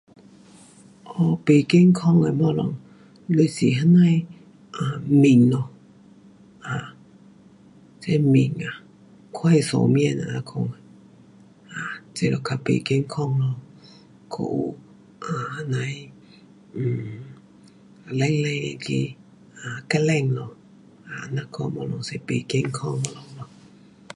哦，不健康的东西，就是那样的啊，面咯，啊，这面啊，快熟面这样讲，啊，这就较不健康咯，还有啊那样的，嗯，冷冷那个，啊较冷哦，啊这样讲是不健康的东西咯。